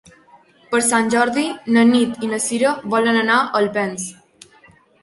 Per Sant Jordi na Nit i na Cira volen anar a Alpens.